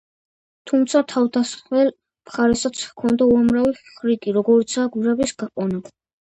თუმცა თავდამსხმელ მხარესაც ჰქონდა უამრავი ხრიკი როგორიცაა გვირაბის გაყვანა.